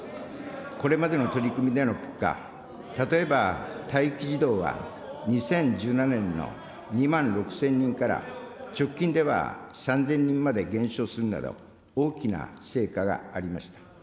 これまでの取り組みの結果、例えば待機児童は、２０１７年の２万６０００人から、直近では３０００人まで減少するなど、大きな成果がありました。